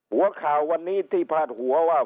หัวข่าววันนี้ที่พาดหัวว่า